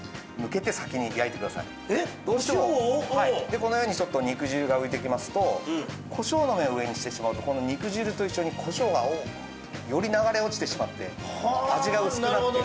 でこのようにちょっと肉汁が浮いてきますとこしょうの面を上にしてしまうとこの肉汁と一緒にこしょうがより流れ落ちてしまって味が薄くなって。